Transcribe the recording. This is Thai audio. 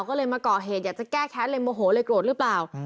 ก็เลยมาก่อเหตุอยากจะแก้แค้นเลยโมโหเลยโกรธหรือเปล่า